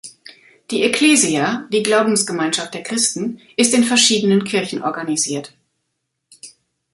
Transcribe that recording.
Die Ekklesia, die Glaubensgemeinschaft der Christen, ist in verschiedenen Kirchen organisiert.